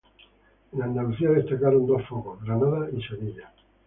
En Andalucía destacaron dos focos: Granada y Sevilla.